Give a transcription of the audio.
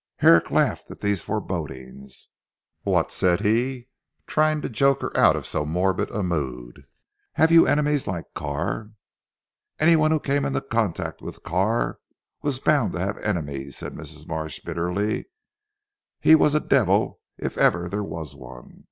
Herrick laughed at these forebodings. "What!" said he trying to joke her out of so morbid a mood, "have you enemies, like Carr?" "Anyone who came into contact with Carr was bound to have enemies," said Mrs. Marsh bitterly. "He was a devil if ever there was one.